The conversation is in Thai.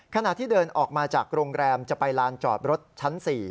ขณะที่เดินออกมาจากโรงแรมจะไปลานจอดรถชั้น๔